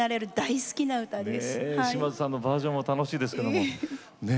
島津さんのバージョンも楽しみですね。